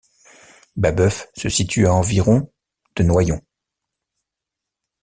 Babœuf se situe à environ de Noyon.